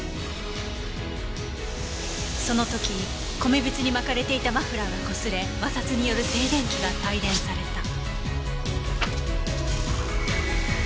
その時米びつに巻かれていたマフラーがこすれ摩擦による静電気が帯電された。